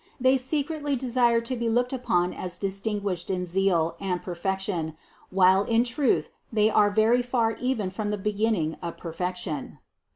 They secretly de sire to be looked upon as distinguished in zeal and per fection, while in truth they are very far even from the beginning of perfection.